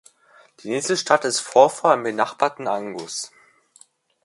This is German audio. Die nächste Stadt ist Forfar im benachbarten Angus.